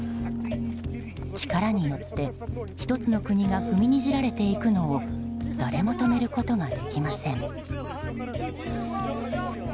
力によって１つの国が踏みにじられていくのを誰も止めることができません。